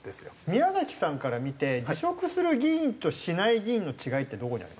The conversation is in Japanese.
宮崎さんから見て辞職する議員としない議員の違いってどこにあります？